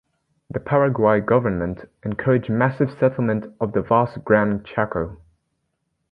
The Paraguay government encouraged massive settlement of the vast Gran Chaco.